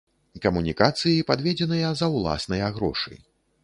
Камунікацыі падведзеныя за ўласныя грошы.